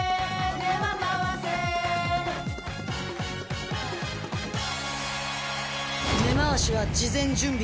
根回しは事前準備だ。